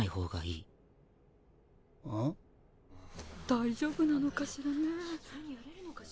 大丈夫なのかしらねえ。